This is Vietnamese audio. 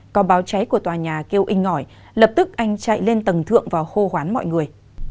có báo cháy của tòa nhà kêu inh ngỏi lập tức anh chạy lên tầng thượng vào hô hoán mọi người